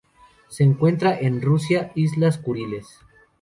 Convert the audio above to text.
Se encuentra en Rusia: Islas Kuriles.